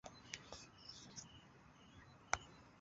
Stanen, ankaŭ vi skribis vian nomon kaj ĝin per makuloj ĉirkaŭis!